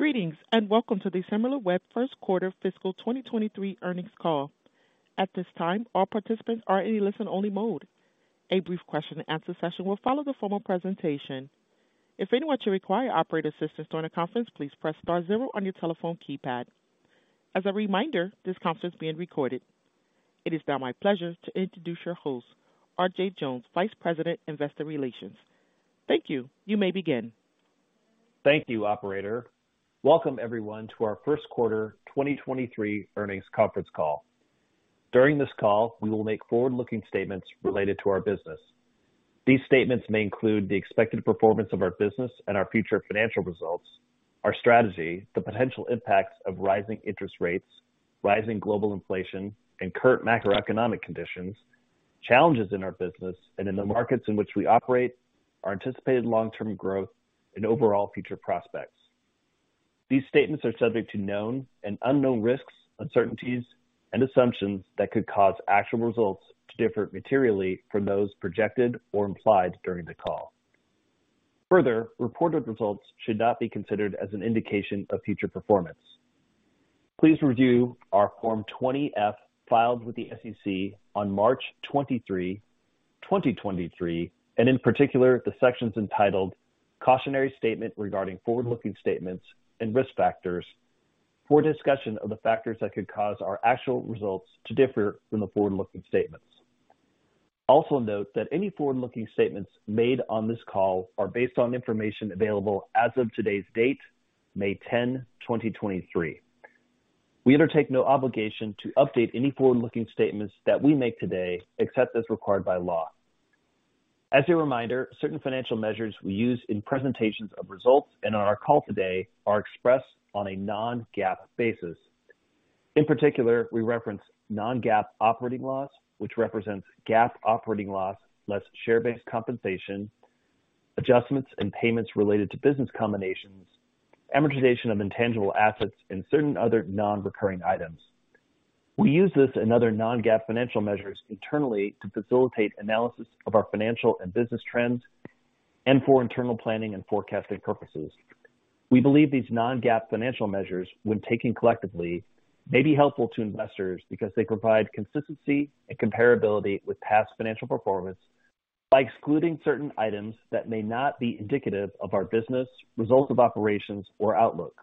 Greetings, welcome to the Similarweb first quarter fiscal 2023 earnings call. At this time, all participants are in a listen-only mode. A brief question-and-answer session will follow the formal presentation. If anyone should require operator assistance during the conference, please press Star zero on your telephone keypad. As a reminder, this conference is being recorded. It is now my pleasure to introduce your host, RJ Jones, Vice President, Investor Relations. Thank you. You may begin. Thank you, operator. Welcome everyone to our first quarter 2023 earnings conference call. During this call, we will make forward-looking statements related to our business. These statements may include the expected performance of our business and our future financial results, our strategy, the potential impacts of rising interest rates, rising global inflation and current macroeconomic conditions, challenges in our business and in the markets in which we operate, our anticipated long-term growth and overall future prospects. These statements are subject to known and unknown risks, uncertainties, and assumptions that could cause actual results to differ materially from those projected or implied during the call. Further, reported results should not be considered as an indication of future performance. Please review our Form 20-F filed with the SEC on March 23, 2023, and in particular, the sections entitled Cautionary Statement regarding Forward-Looking Statements and Risk Factors for a discussion of the factors that could cause our actual results to differ from the forward-looking statements. Also note that any forward-looking statements made on this call are based on information available as of today's date, May 10, 2023. We undertake no obligation to update any forward-looking statements that we make today, except as required by law. As a reminder, certain financial measures we use in presentations of results and on our call today are expressed on a non-GAAP basis. In particular, we reference non-GAAP operating loss, which represents GAAP operating loss, less share-based compensation, adjustments and payments related to business combinations, amortization of intangible assets, and certain other non-recurring items. We use this and other non-GAAP financial measures internally to facilitate analysis of our financial and business trends and for internal planning and forecasting purposes. We believe these non-GAAP financial measures, when taken collectively, may be helpful to investors because they provide consistency and comparability with past financial performance by excluding certain items that may not be indicative of our business, results of operations or outlook.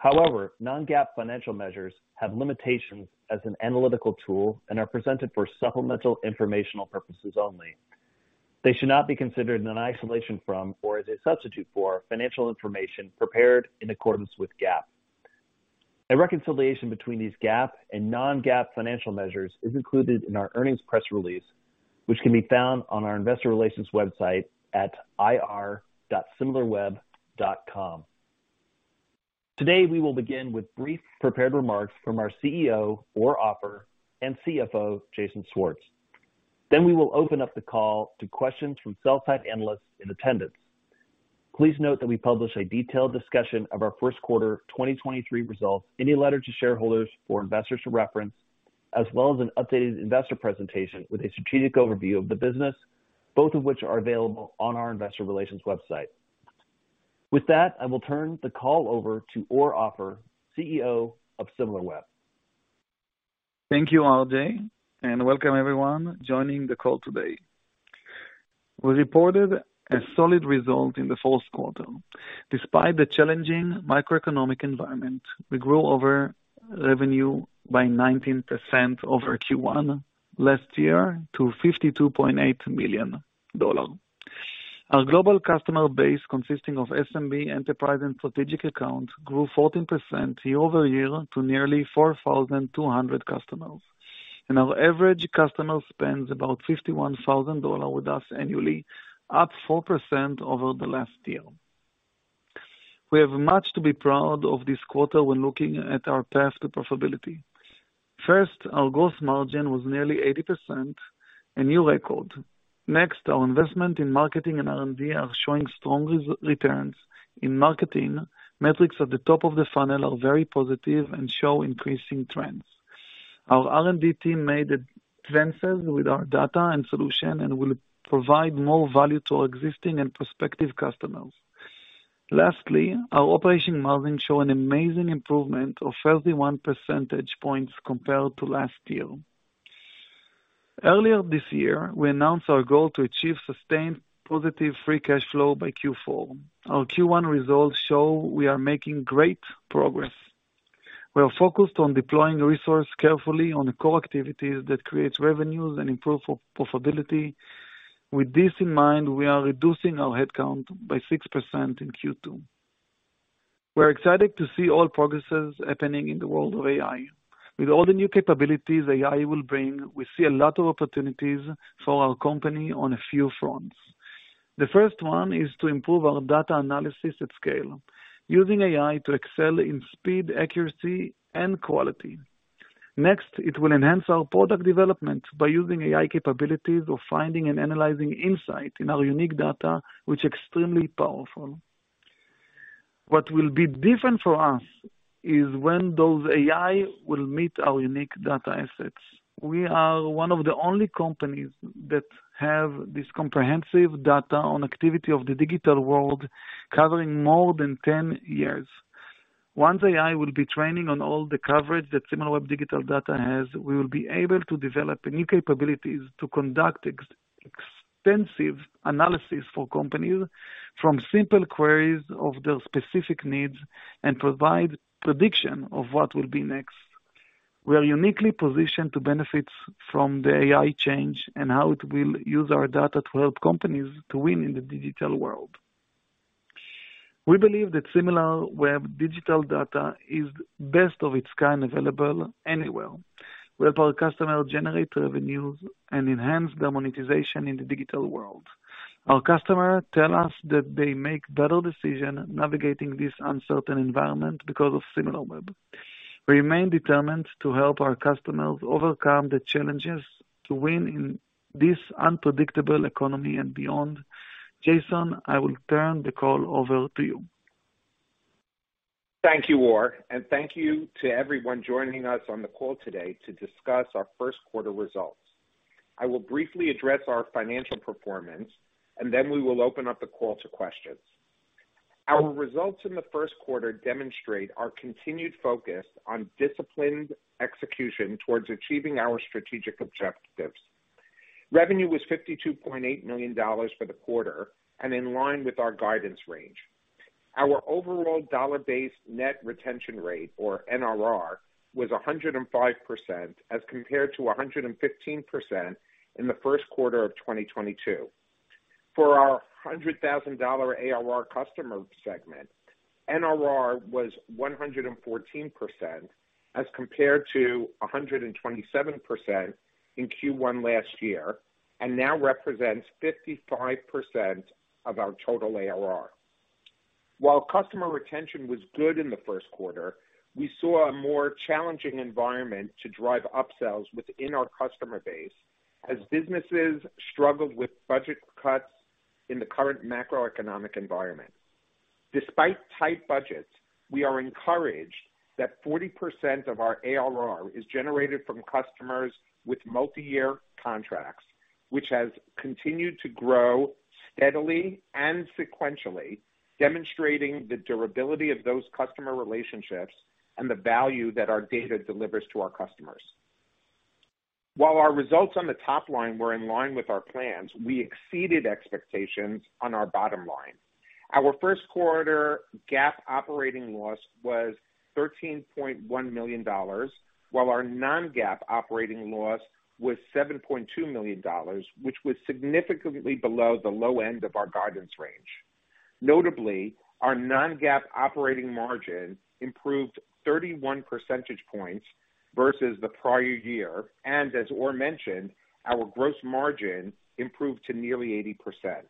However, non-GAAP financial measures have limitations as an analytical tool and are presented for supplemental informational purposes only. They should not be considered in isolation from or as a substitute for financial information prepared in accordance with GAAP. A reconciliation between these GAAP and non-GAAP financial measures is included in our earnings press release, which can be found on our investor relations website at ir.similarweb.com. Today, we will begin with brief prepared remarks from our CEO, Or Offer, and CFO, Jason Schwartz. We will open up the call to questions from sell-side analysts in attendance. Please note that we publish a detailed discussion of our first quarter 2023 results in a letter to shareholders for investors to reference, as well as an updated investor presentation with a strategic overview of the business, both of which are available on our investor relations website. With that, I will turn the call over to Or Offer, CEO of Similarweb. Thank you, RJ, and welcome everyone joining the call today. We reported a solid result in the first quarter. Despite the challenging macroeconomic environment, we grew our revenue by 19% over Q1 last year to $52.8 million. Our global customer base, consisting of SMB, enterprise and strategic accounts, grew 14% year-over-year to nearly 4,200 customers. Our average customer spends about $51,000 with us annually, up 4% over the last year. We have much to be proud of this quarter when looking at our path to profitability. First, our gross margin was nearly 80%, a new record. Our investment in marketing and R&D are showing strong returns. In marketing, metrics at the top of the funnel are very positive and show increasing trends. Our R&D team made advances with our data and solution and will provide more value to our existing and prospective customers. Our operating margin show an amazing improvement of 31% points compared to last year. Earlier this year, we announced our goal to achieve sustained positive free cash flow by Q4. Our Q1 results show we are making great progress. We are focused on deploying resources carefully on the core activities that creates revenues and improve profitability. With this in mind, we are reducing our headcount by 6% in Q2. We're excited to see all progresses happening in the world of AI. With all the new capabilities AI will bring, we see a lot of opportunities for our company on a few fronts. The first one is to improve our data analysis at scale using AI to excel in speed, accuracy and quality. Next, it will enhance our product development by using AI capabilities of finding and analyzing insight in our unique data, which extremely powerful. What will be different for us is when those AI will meet our unique data assets. We are one of the only companies that have this comprehensive data on activity of the digital world covering more than 10 years. Once AI will be training on all the coverage that Similarweb Digital Data has, we will be able to develop new capabilities to conduct extensive analysis for companies from simple queries of their specific needs and provide prediction of what will be next. We are uniquely positioned to benefit from the AI change and how it will use our data to help companies to win in the digital world. We believe that Similarweb Digital Data is best of its kind available anywhere. We help our customers generate revenues and enhance their monetization in the digital world. Our customers tell us that they make better decisions navigating this uncertain environment because of Similarweb. We remain determined to help our customers overcome the challenges to win in this unpredictable economy and beyond. Jason, I will turn the call over to you. Thank you, Or. Thank you to everyone joining us on the call today to discuss our first quarter results. I will briefly address our financial performance and then we will open up the call to questions. Our results in the first quarter demonstrate our continued focus on disciplined execution towards achieving our strategic objectives. Revenue was $52.8 million for the quarter and in line with our guidance range. Our overall dollar-based net retention rate, or NRR, was 105% as compared to 115% in the first quarter of 2022. For our $100,000 ARR customer segment, NRR was 114% as compared to 127% in Q1 last year, and now represents 55% of our total ARR. While customer retention was good in the first quarter, we saw a more challenging environment to drive upsells within our customer base as businesses struggled with budget cuts in the current macroeconomic environment. Despite tight budgets, we are encouraged that 40% of our ARR is generated from customers with multi-year contracts, which has continued to grow steadily and sequentially, demonstrating the durability of those customer relationships and the value that our data delivers to our customers. While our results on the top line were in line with our plans, we exceeded expectations on our bottom line. Our first quarter GAAP operating loss was $13.1 million, while our non-GAAP operating loss was $7.2 million, which was significantly below the low end of our guidance range. Notably, our non-GAAP operating margin improved 31 percentage points versus the prior year. As Or mentioned, our gross margin improved to nearly 80%.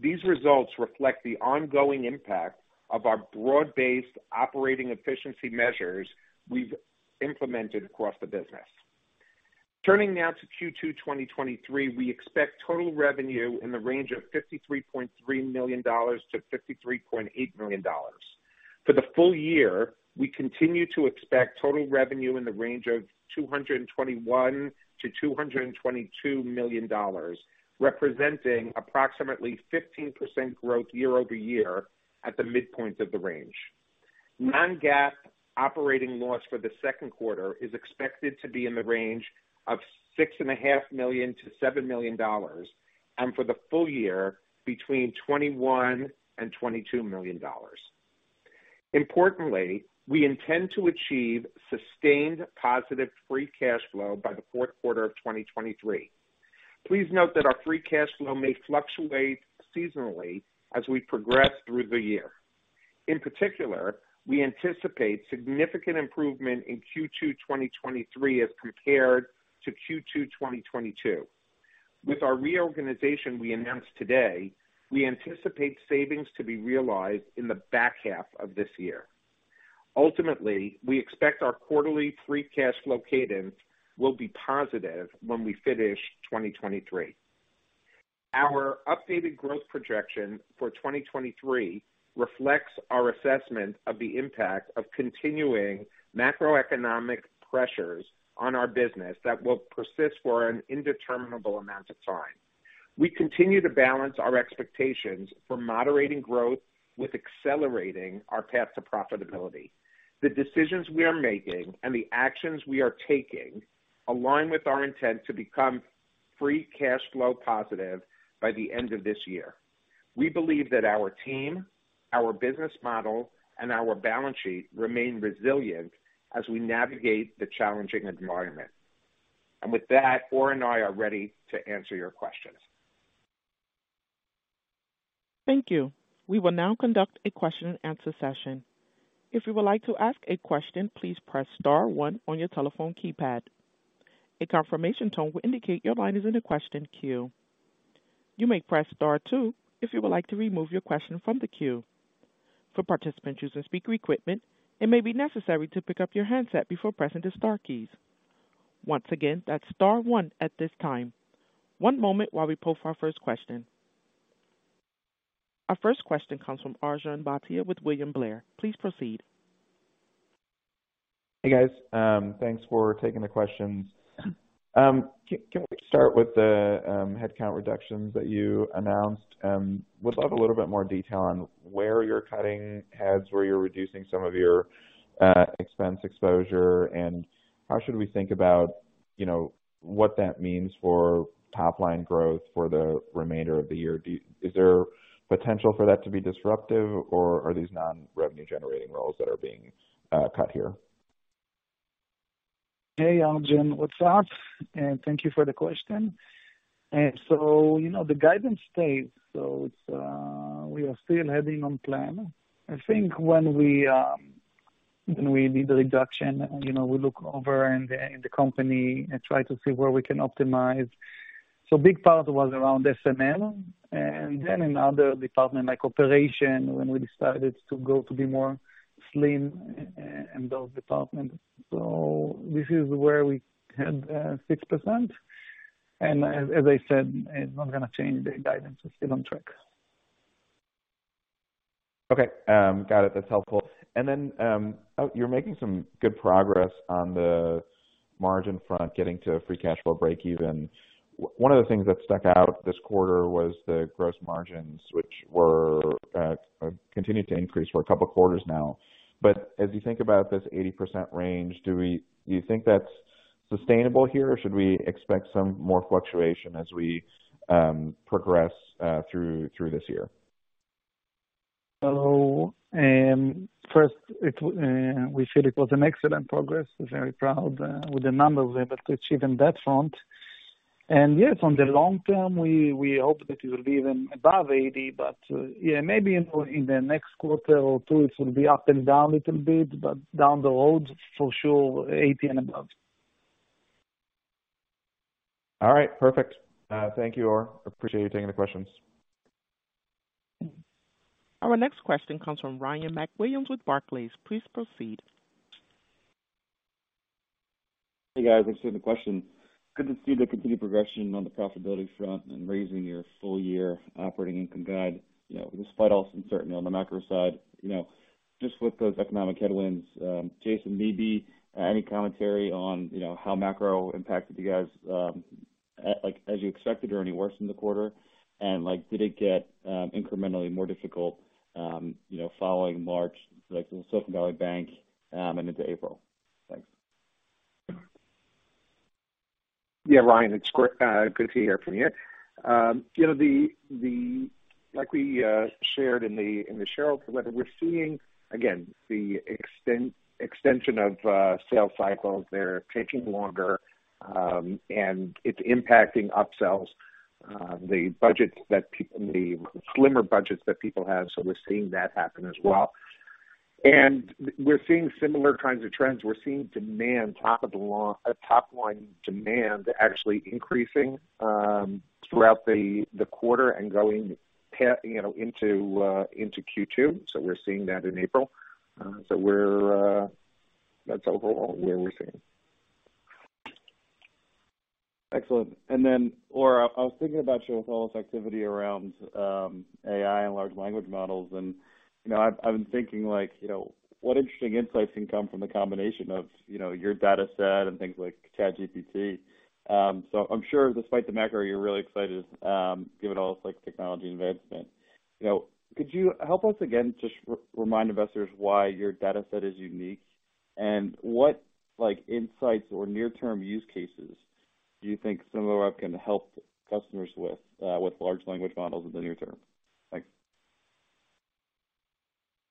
These results reflect the ongoing impact of our broad-based operating efficiency measures we've implemented across the business. Turning now to Q2 2023, we expect total revenue in the range of $53.3 million-$53.8 million. For the full-year, we continue to expect total revenue in the range of $221 million-$222 million, representing approximately 15% growth year-over-year at the midpoint of the range. Non-GAAP operating loss for the second quarter is expected to be in the range of $6.5 million-$7 million, and for the full-year between $21 million and $22 million. Importantly, we intend to achieve sustained positive free cash flow by the fourth quarter of 2023. Please note that our free cash flow may fluctuate seasonally as we progress through the year. In particular, we anticipate significant improvement in Q2, 2023 as compared to Q2, 2022. With our reorganization we announced today, we anticipate savings to be realized in the back half of this year. Ultimately, we expect our quarterly free cash flow cadence will be positive when we finish 2023. Our updated growth projection for 2023 reflects our assessment of the impact of continuing macroeconomic pressures on our business that will persist for an indeterminable amount of time. We continue to balance our expectations for moderating growth with accelerating our path to profitability. The decisions we are making and the actions we are taking align with our intent to become free cash flow positive by the end of this year. We believe that our team, our business model, and our balance sheet remain resilient as we navigate the challenging environment. With that, Or and I are ready to answer your questions. Thank you. We will now conduct a question-and-answer session. If you would like to ask a question, please press Star one on your telephone keypad. A confirmation tone will indicate your line is in the question queue. You may press Star two if you would like to remove your question from the queue. For participants using speaker equipment, it may be necessary to pick up your handset before pressing the star keys. Once again, that's star one at this time. One moment while we pull for our first question. Our first question comes from Arjun Bhatia with William Blair. Please proceed. Hey, guys. Thanks for taking the questions. Can we start with the headcount reductions that you announced? Would love a little bit more detail on where you're cutting heads, where you're reducing some of your expense exposure, and how should we think about, you know, what that means for top line growth for the remainder of the year? Is there potential for that to be disruptive or are these non-revenue generating roles that are being cut here? Hey, Arjun, what's up? Thank you for the question. You know, the guidance stays. It's, we are still heading on plan. I think when we, when we need a reduction, you know, we look over in the company and try to see where we can optimize. Big part was around S&M and then in other department like operation when we decided to go to be more slim in those departments. This is where we had, 6%. As I said, it's not gonna change. The guidance is still on track. Okay. Got it. That's helpful. You're making some good progress on the margin front, getting to a free cash flow breakeven. One of the things that stuck out this quarter was the gross margins, which continued to increase for a couple of quarters now. As you think about this 80% range, do you think that's sustainable here, or should we expect some more fluctuation as we progress through this year? First, it, we feel it was an excellent progress. We're very proud with the numbers we're able to achieve on that front. On the long-term, we hope that it will be even above 80%. Yeah, maybe in the next quarter or two, it will be up and down a little bit, but down the road, for sure, 80% and above. All right. Perfect. Thank you, Or. Appreciate you taking the questions. Our next question comes from Ryan MacWilliams with Barclays. Please proceed. Hey, guys. Thanks for the question. Good to see the continued progression on the profitability front and raising your full-year operating income guide, you know, despite all uncertainty on the macro side. You know, just with those economic headwinds, Jason, maybe any commentary on, you know, how macro impacted you guys, like as you expected or any worse in the quarter? Like, did it get incrementally more difficult, you know, following March, like the Silicon Valley Bank, and into April? Thanks. Yeah, Ryan, it's good to hear from you. You know, like we shared in the shareholder letter, we're seeing, again, the extension of sales cycles. They're taking longer, and it's impacting upsells. The budgets that the slimmer budgets that people have, we're seeing that happen as well. We're seeing similar kinds of trends. We're seeing demand, top line demand actually increasing, throughout the quarter and going you know, into Q2. We're seeing that in April. That's overall where we're seeing. Excellent. Then, Or, I was thinking about your whole activity around AI and large language models. You know, I've been thinking like, you know, what interesting insights can come from the combination of, you know, your data set and things like ChatGPT. I'm sure despite the macro, you're really excited given all this like technology investment. You know, could you help us again just remind investors why your data set is unique and what, like, insights or near-term use cases do you think Similarweb can help customers with large language models in the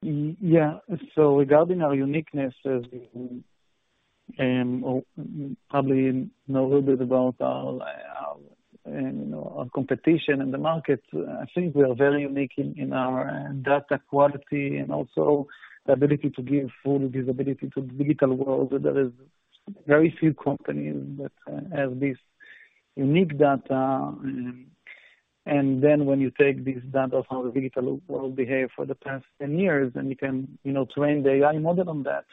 near-term? Thanks. Regarding our uniqueness as we, or probably know a little bit about our competition in the market, I think we are very unique in our data quality and also the ability to give full visibility to the digital world. There is very few companies that have this unique data. When you take this data of how the digital world behaved for the past 10 years, and you can, you know, train the AI model on that,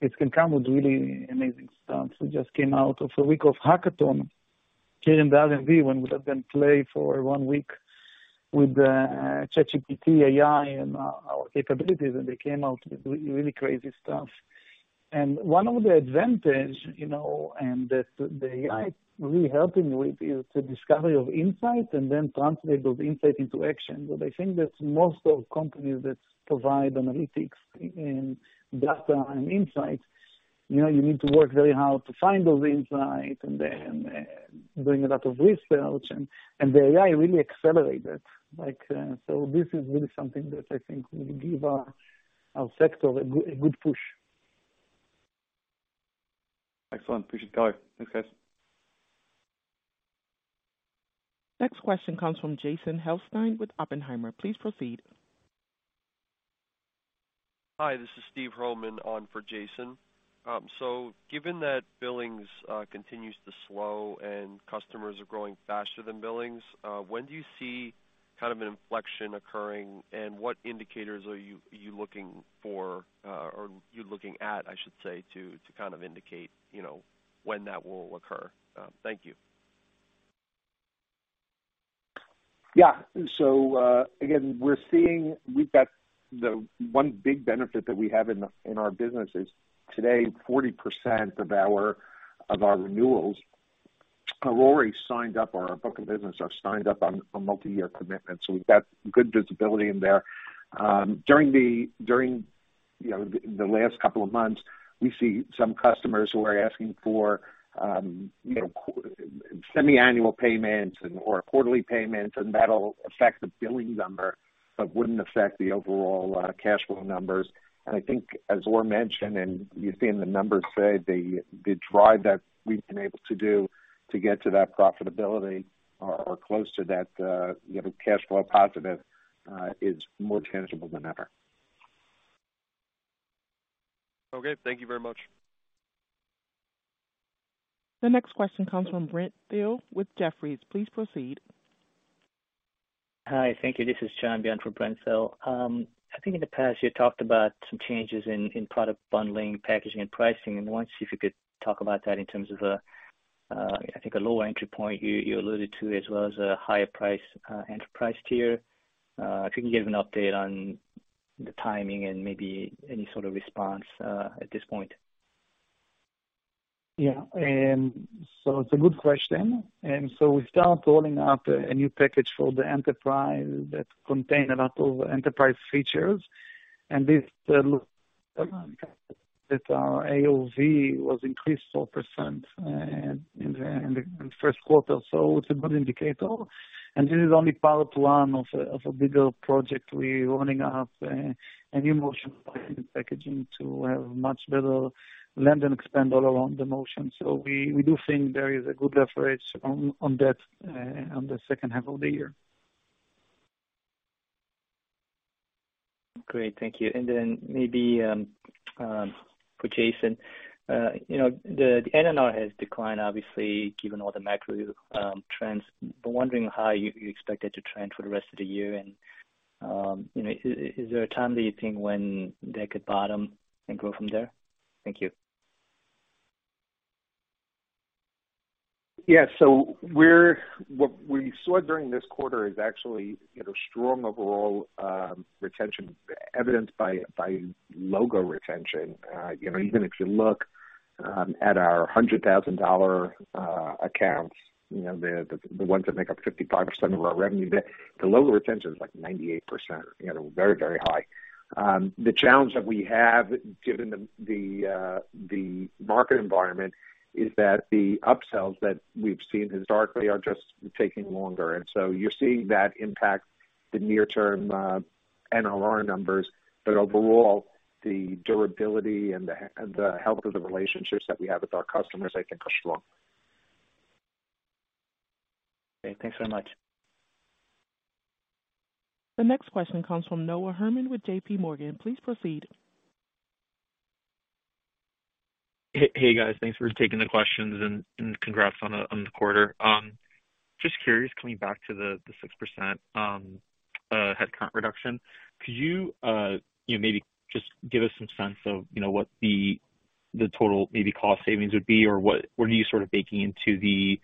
it can come with really amazing stuff. We just came out of a week of hackathon here in the R&D when we have been play for one week with ChatGPT AI and our capabilities, and they came out with really crazy stuff. One of the advantage, you know, and that the AI is really helping with is the discovery of insight and then translate those insight into action. I think that most of companies that provide analytics and data and insights, you know, you need to work very hard to find those insights and then doing a lot of research and the AI really accelerate it. Like, this is really something that I think will give our sector a good push. Excellent. Appreciate the color. Thanks, guys. Next question comes from Jason Helfstein with Oppenheimer. Please proceed. Hi, this is Steven Hromin on for Jason. Given that billings continues to slow and customers are growing faster than billings, when do you see kind of an inflection occurring, and what indicators are you looking for, or you looking at, I should say, to kind of indicate, you know, when that will occur? Thank you. Yeah. Again, we've got the one big benefit that we have in our business is today 40% of our renewals are already signed up. Our book of business are signed up on a multi-year commitment, so we've got good visibility in there. During, you know, the last couple of months, we see some customers who are asking for, you know, semiannual payments and/or quarterly payments, and that'll affect the billing number, but wouldn't affect the overall cash flow numbers. I think as Or mentioned, and you've seen the numbers say the drive that we've been able to do to get to that profitability or close to that, you know, cash flow positive, is more tangible than ever. Okay. Thank you very much. The next question comes from Brent Thill with Jefferies. Please proceed. Hi. Thank you. This is John Byun on for Brent Thill. I think in the past you talked about some changes in product bundling, packaging and pricing. I want to see if you could talk about that in terms of a, I think a lower entry point you alluded to as well as a higher price, enterprise tier, if you can give an update on the timing and maybe any sort of response, at this point? Yeah. It's a good question. We start rolling out a new package for the enterprise that contain a lot of enterprise features. This looks that our AOV was increased 4% in the first quarter. It's a good indicator. This is only part one of a bigger project. We're rolling out a new motion packaging to have much better land and expand all along the motion. We do think there is a good leverage on that on the second half of the year. Great. Thank you. Then maybe, for Jason, you know, the NRR has declined obviously given all the macro trends. Wondering how you expect it to trend for the rest of the year. You know, is there a time that you think when they could bottom and grow from there? Thank you. Yeah. So what we saw during this quarter is actually, you know, strong overall retention evidenced by logo retention. You know, even if you look at our $100,000 accounts, you know, the ones that make up 55% of our revenue, the logo retention is like 98%, you know, very, very high. The challenge that we have, given the market environment, is that the upsells that we've seen historically are just taking longer. You're seeing that impact the near-term NRR numbers. Overall, the durability and the health of the relationships that we have with our customers, I think, are strong. Okay. Thanks very much. The next question comes from Noah Herman with JPMorgan. Please proceed. Hey, hey guys. Thanks for taking the questions and congrats on the quarter. Just curious, coming back to the 6% headcount reduction, could you know, maybe just give us some sense of, you know, what the total maybe cost savings would be? What are you sort of baking into the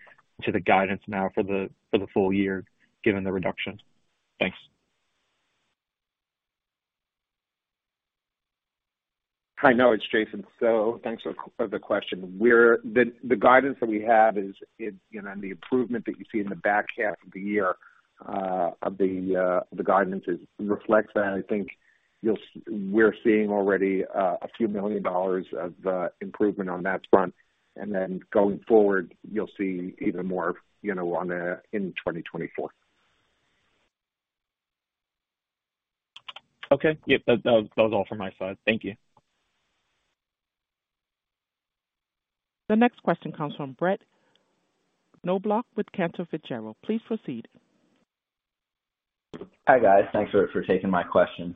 guidance now for the full year, given the reduction? Thanks. Hi, Noah, it's Jason. Thanks for the question. The guidance that we have is, you know, and the improvement that you see in the back half of the year, the guidance is reflects that. I think we're seeing already a few million dollars of improvement on that front. Going forward, you'll see even more, you know, in 2024. Okay. Yep. That was all from my side. Thank you. The next question comes from Brett Knoblauch with Cantor Fitzgerald. Please proceed. Hi, guys. Thanks for taking my questions.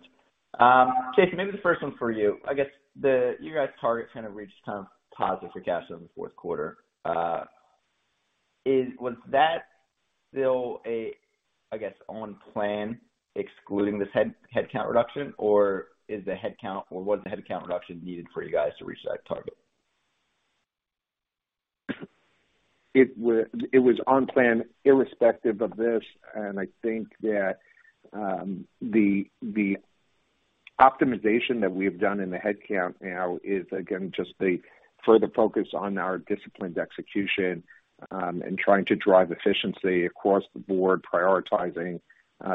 Jason, maybe the first one's for you. I guess you guys target kind of reached kind of positive for cash over the fourth quarter. Was that still a, I guess, on plan excluding this headcount reduction? Or was the headcount reduction needed for you guys to reach that target? It was on plan irrespective of this. I think that, the optimization that we've done in the headcount now is again, just the further focus on our disciplined execution, and trying to drive efficiency across the board, prioritizing,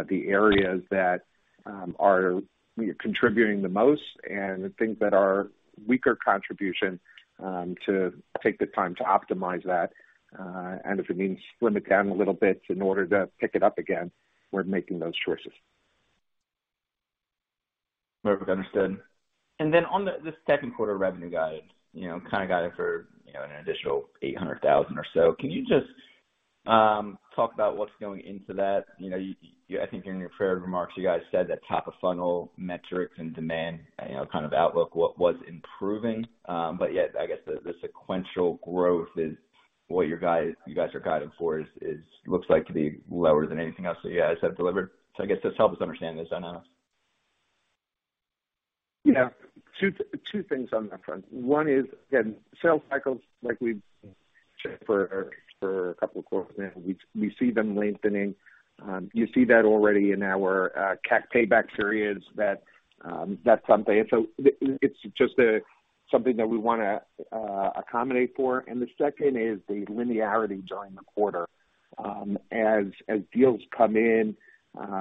the areas that, are contributing the most and the things that are weaker contribution, to take the time to optimize that. If it means slim it down a little bit in order to pick it up again, we're making those choices. Perfect. Understood. On the, this second quarter revenue guide, you know, kind of guided for, you know, an additional $800,000 or so, can you just talk about what's going into that? You know, I think in your prepared remarks you guys said that top of funnel metrics and demand, you know, kind of outlook was improving. Yet I guess the sequential growth is what you guys are guiding for is looks like to be lower than anything else that you guys have delivered. I guess just help us understand this dynamic. Yeah. Two things on that front. One is, again, sales cycles, like we've checked for a couple of quarters now, we see them lengthening. You see that already in our CAC payback periods that something. It's just something that we wanna accommodate for. The second is the linearity during the quarter. As deals come in,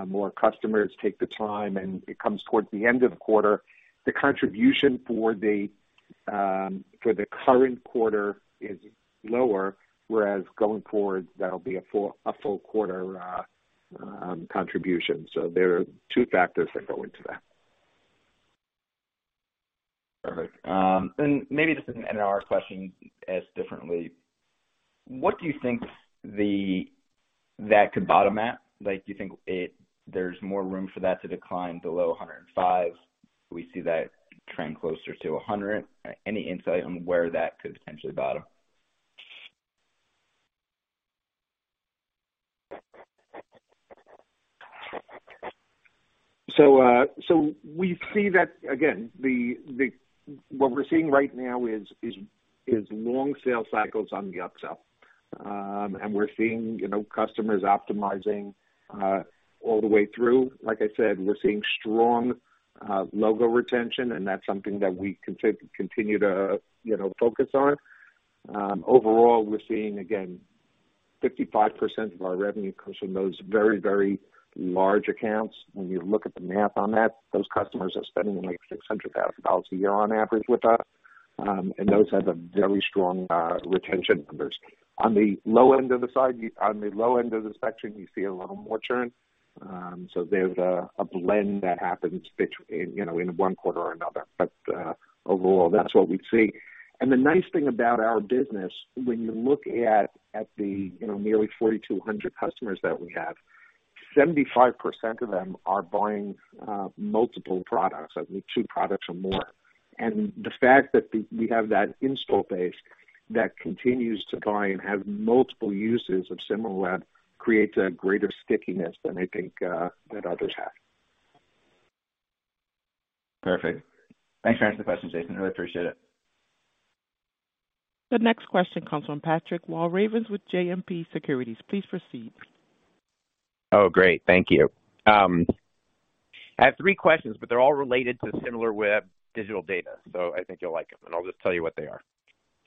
more customers take the time, and it comes towards the end of the quarter. The contribution for the current quarter is lower, whereas going forward, that'll be a full quarter contribution. There are two factors that go into that. Perfect. maybe just to end our question as differently. What do you think that could bottom at? Like, you think there's more room for that to decline below 105? We see that trend closer to 100. Any insight on where that could potentially bottom? We see that again, what we're seeing right now is long sales cycles on the upsell. We're seeing, you know, customers optimizing all the way through. Like I said, we're seeing strong logo retention, and that's something that we continue to, you know, focus on. Overall, we're seeing, again, 55% of our revenue comes from those very, very large accounts. When you look at the math on that, those customers are spending like $600,000 a year on average with us. Those have a very strong retention numbers. On the low end of the side, on the low end of the spectrum, you see a little more churn. There's a blend that happens in, you know, in one quarter or another. Overall, that's what we see. The nice thing about our business, when you look at the, you know, nearly 4,200 customers that we have, 75% of them are buying multiple products, at least two products or more. The fact that we have that install base that continues to buy and have multiple uses of Similarweb creates a greater stickiness than I think that others have. Perfect. Thanks for answering the question, Jason. Really appreciate it. The next question comes from Patrick Walravens with JMP Securities. Please proceed. Great. Thank you. I have three questions, but they're all related to Similarweb Digital Data, so I think you'll like them, and I'll just tell you what they are.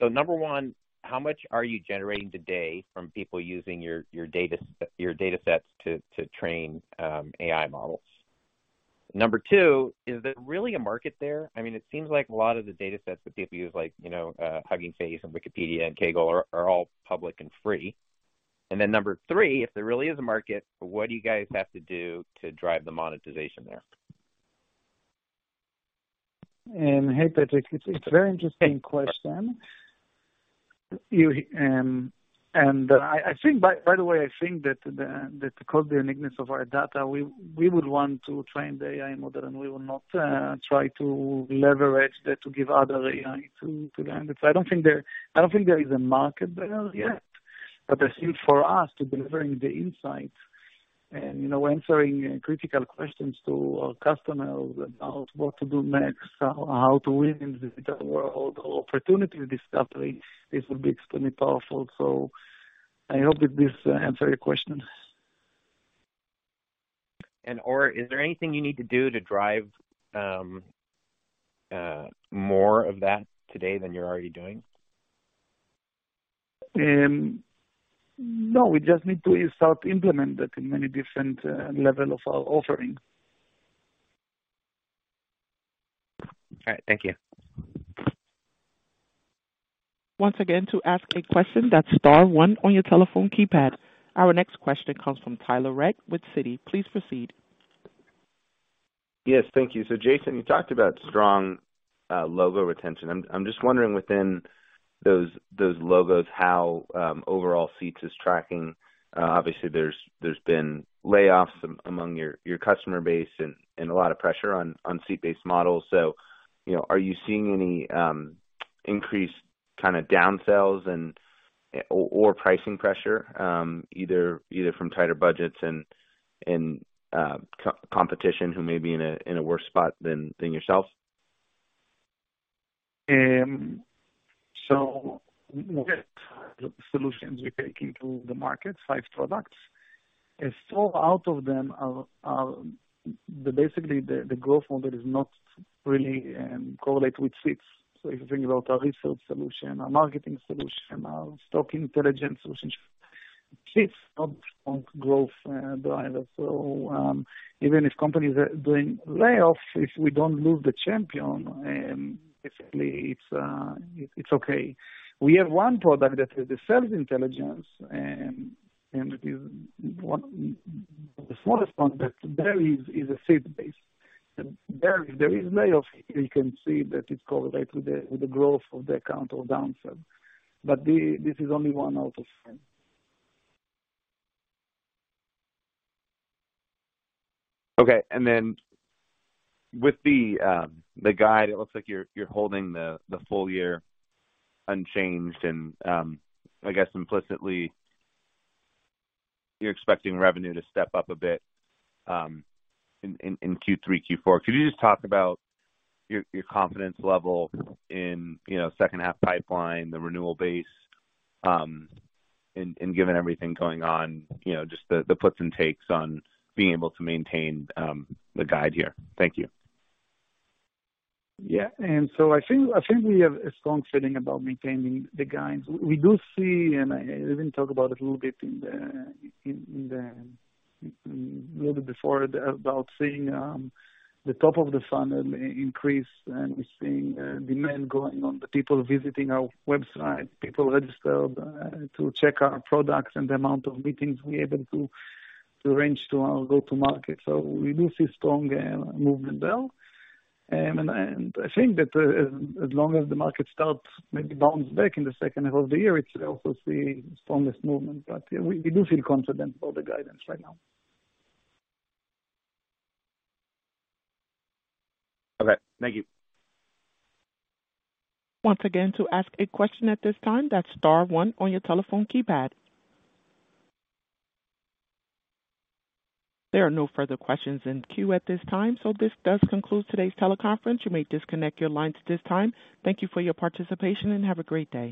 Number one, how much are you generating today from people using your data, your data sets to train AI models? Number two, is there really a market there? I mean, it seems like a lot of the datasets that people use, like, you know, Hugging Face and Wikipedia and Kaggle are all public and free. Number three, if there really is a market, what do you guys have to do to drive the monetization there? Hey, Patrick. It's a very interesting question. I think by the way, I think that because the uniqueness of our data, we would want to train the AI model, and we will not try to leverage that to give other AI to learn. I don't think there is a market there yet. I think for us to be delivering the insights and, you know, answering critical questions to our customers about what to do next, how to win in the digital world or opportunity discovery, this will be extremely powerful. I hope that this answer your question. Is there anything you need to do to drive, more of that today than you're already doing? No, we just need to start to implement that in many different level of our offerings. All right. Thank you. Once again, to ask a question, that's star 1 on your telephone keypad. Our next question comes from Tyler Radke with Citi. Please proceed. Yes, thank you. Jason, you talked about strong, logo retention. I'm just wondering within those logos how overall seats is tracking. Obviously, there's been layoffs among your customer base and a lot of pressure on seat-based models. You know, are you seeing any increased kind of down sales and or pricing pressure, either from tighter budgets and co-competition who may be in a worse spot than yourself? We have solutions we take into the market, five products. Four out of them are basically the growth model does not really correlate with seats. If you think about our research solution, our marketing solution, our Stock Intelligence solution, seats are strong growth drivers. Even if companies are doing layoffs, if we don't lose the champion, basically it's okay. We have 1 product that is the Sales Intelligence, and it is one, the smallest one that there is a seat base. There is layoffs. You can see that it correlate with the growth of the account or downsell. This is only 1 out of 5. Okay. With the guide, it looks like you're holding the full-year unchanged. I guess implicitly you're expecting revenue to step up a bit in Q3, Q4. Could you just talk about your confidence level in, you know, second half pipeline, the renewal base, and given everything going on, you know, just the puts and takes on being able to maintain the guide here. Thank you. Yeah. I think we have a strong feeling about maintaining the guides. We do see, and I even talked about it a little bit in the little before about seeing the top of the funnel increase, and we're seeing demand going on, the people visiting our website, people registered to check our products and the amount of meetings we're able to arrange to our go-to market. We do see strong movement there. I think that as long as the market starts maybe bounce back in the second half of the year, it will also see strongest movement. Yeah, we do feel confident about the guidance right now. Okay. Thank you. Once again, to ask a question at this time, that's Star one on your telephone keypad. There are no further questions in queue at this time. This does conclude today's teleconference. You may disconnect your lines at this time. Thank you for your participation. Have a great day.